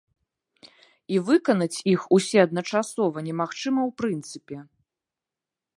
І выканаць іх усе адначасова немагчыма ў прынцыпе.